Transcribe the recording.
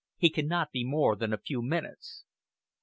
"He cannot be more than a few minutes."